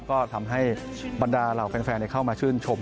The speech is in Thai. ก็ทำให้บรรดาเหล่าแฟนเข้ามาชื่นชม